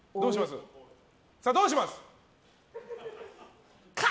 さあ、どうします？